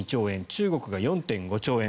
中国が４．５兆円。